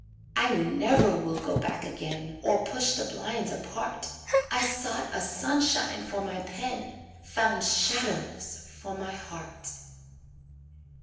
I never will go back again Or push the blinds apart I sought a sunshine for my pen, Found shadows for my heart.